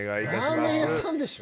ラーメン屋さんでしょ？